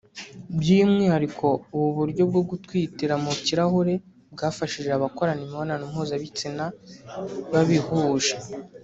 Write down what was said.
By’umwihariko ubu buryo bwo gutwitira mu kirahure bwafashije abakorana imibonano mpuzabitsina babihuje